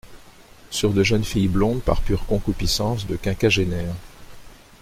sur de jeunes filles blondes par pure concupiscence de quinquagénaire.